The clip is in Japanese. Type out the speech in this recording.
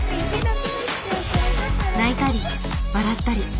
泣いたり笑ったり。